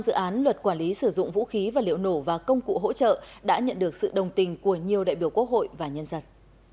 dự án luật quản lý sử dụng vũ khí và liệu nổ và công cụ hỗ trợ đã nhận được sự đồng tình của nhiều đại biểu quốc hội và nhân dân